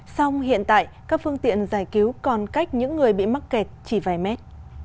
song hiện tại các phương tiện giải cứu còn cách những người bị mắc kẹt chỉ vài mét